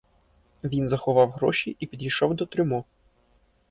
Він заховав гроші і підійшов до трюмо.